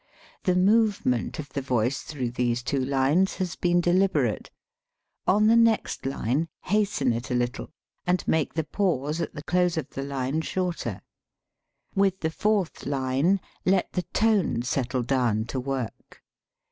The movement of the voice through these two lines has been deliberate. On the next line hasten it a little, and make the pause at the close of the line shorter. With the fourth line, let the tone settle down to work.